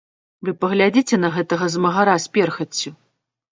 Вы паглядзіце на гэтага змагара з перхаццю.